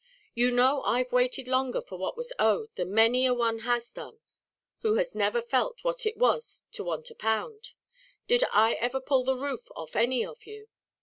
You know I've waited longer for what was owed than many a one has done who has never felt what it was to want a pound. Did I ever pull the roof off any of you?